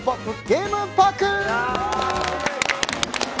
ゲームパーク！